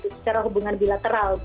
secara hubungan bilateral